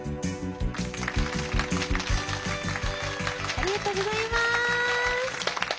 ありがとうございます。